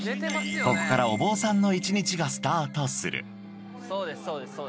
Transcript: ここからお坊さんの一日がスタートする。